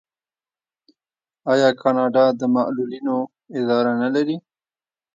آیا کاناډا د معلولینو اداره نلري؟